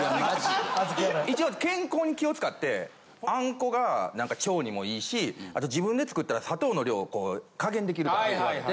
一応健康に気を使ってあんこが腸にも良いしあと自分で作ったら砂糖の量を加減できるからって言われて。